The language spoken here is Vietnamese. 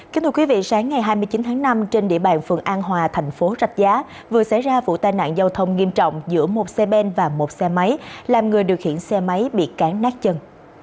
kính thưa quý vị sáng ngày hai mươi chín tháng năm trên địa bàn phường an hòa thành phố rạch giá vừa xảy ra vụ tai nạn giao thông nghiêm trọng giữa một xe ben và một xe máy làm người điều khiển xe máy bị cán nát chân